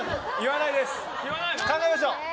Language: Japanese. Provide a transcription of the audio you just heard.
考えましょう！